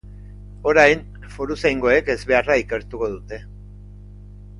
Orain, foruzaingoek ezbeharra ikertuko dute.